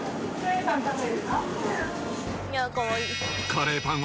カレーパン！